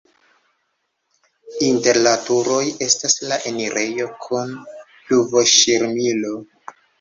Inter la turoj estas la enirejo kun pluvoŝirmilo.